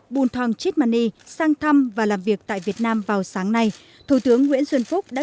buntong chitmani sang thăm và làm việc tại việt nam vào sáng nay thủ tướng nguyễn xuân phúc đã